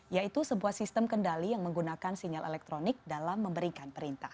yaitu sebuah sistem kendali yang menggunakan sinyal elektronik dalam memberikan perintah